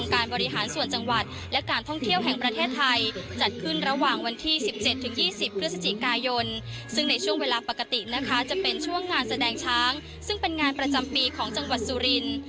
การบริหารส่วนจังหวัดและการท่องเที่ยวแห่งประเทศไทยจัดขึ้นระหว่างวันที่สิบเจ็ดถึงยี่สิบเพื่อสจิกายนซึ่งในช่วงเวลาปกตินะคะจะเป็นช่วงงานแสดงช้างซึ่งเป็นงานประจำปีของจังหวัดซูริน